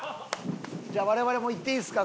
じゃあ我々も行っていいですか？